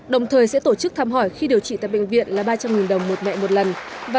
đồng thời sẽ tổ chức thăm hỏi khi điều trị tại bệnh viện là ba trăm linh đồng một mẹ một lần và